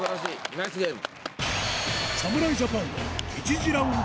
ナイスゲーム！